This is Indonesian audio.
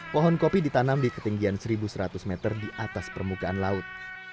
pohon kopi ditanam di ketinggian satu seratus meter di atas permukaan laut